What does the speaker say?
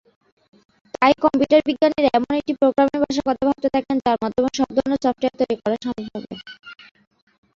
তাই কম্পিউটার বিজ্ঞানীরা এমন একটি প্রোগ্রামিং ভাষার কথা ভাবতে থাকেন যার মাধ্যমে সব ধরনের সফটওয়্যার তৈরি করা সম্ভব হবে।